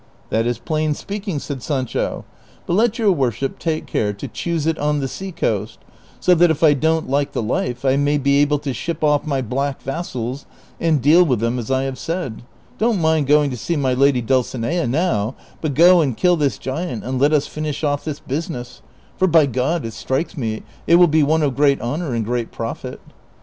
" That is i)lain speaking," said Sancho ;'' but let your wor ship take care to choose it on the sea coast, so that if I don't like the life, I may be able to ship off my black vassals and deal with them as I have said ; don't mind going to see my lady Dulcinea now, but go and kill this giant and let us finish oft' this l)usiness; for by God it strikes me it will be one of great honor and great profit."